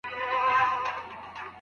د دې سړي د هر يو رگ څخه جانان وځي